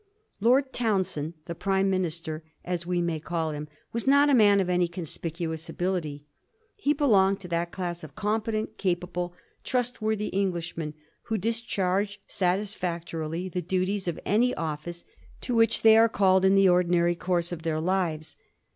Lord Townshend, the Prime Minister, as we may call him, was not a man of any conspicuous ability. He belonged to that class of competent, capable, trustworthy Englishmen who discharge satisfactorily the duties of any office to which they are called in the ordinary course of their lives.